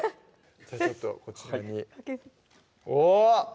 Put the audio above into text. じゃあちょっとこちらにおっ！